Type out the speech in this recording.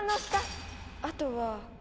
あとは。